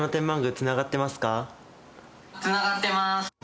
つながってまーす。